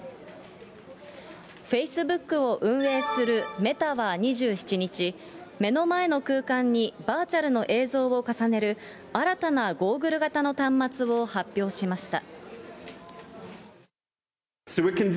フェイスブックを運営するメタは２７日、目の前の空間にバーチャルの映像を重ねる新たなゴーグル型の端末を発表しました。